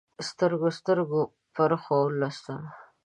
سترګو، سترګو پرخو ولوستم